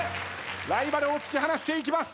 ライバルを突き放していきます。